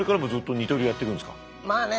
まあね